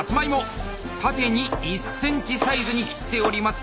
縦に１センチサイズに切っております。